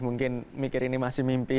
mungkin mikir ini masih mimpi